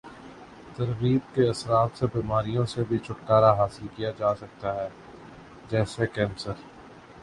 ترغیب کے اثرات سے بیماریوں سے بھی چھٹکارا حاصل کیا جاسکتا ہے جیسے کینسر